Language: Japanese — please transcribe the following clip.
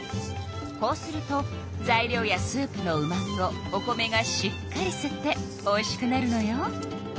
こうすると材料やスープのうまみをお米がしっかりすっておいしくなるのよ。